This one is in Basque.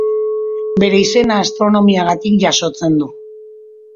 Bere izena astronomiagatik jasotzen du.